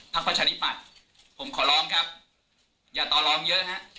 ประชาธิปัตย์ผมขอร้องครับอย่าต่อร้องเยอะฮะ